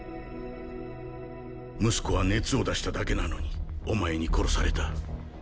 息子は熱を出しただけなのにお前に殺された。